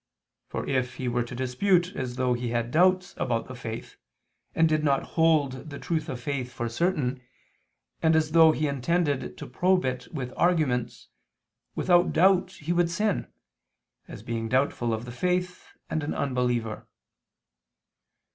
For if he were to dispute as though he had doubts about the faith, and did not hold the truth of faith for certain, and as though he intended to probe it with arguments, without doubt he would sin, as being doubtful of the faith and an unbeliever.